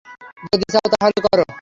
যদি চাও তাহলে করো।